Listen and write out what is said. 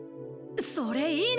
それいいな！